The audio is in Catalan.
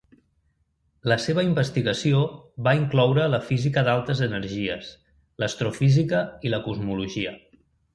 La seva investigació va incloure la física d'altes energies, l'astrofísica i la cosmologia.